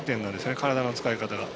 体の使い方が。